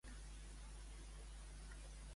Dia de missa.